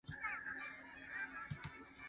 腥